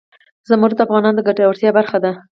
زمرد د افغانانو د ګټورتیا برخه ده.